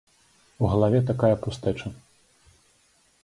У галаве такая пустэча.